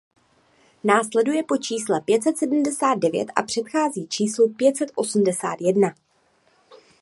Následuje po čísle pět set sedmdesát devět a předchází číslu pět set osmdesát jedna.